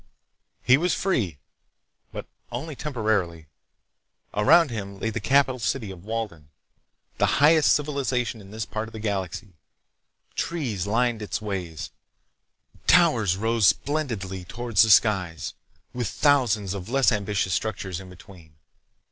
He was free, but only temporarily. Around him lay the capital city of Walden—the highest civilization in this part of the galaxy. Trees lined its ways. Towers rose splendidly toward the skies, with thousands of less ambitious structures in between.